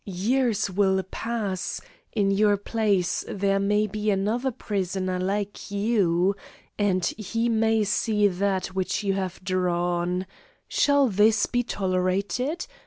Years will pass; in your place there may be another prisoner like you and he may see that which you have drawn. Shall this be tolerated?